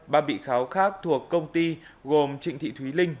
ba bị cáo khác thuộc công ty gồm trịnh thị thúy linh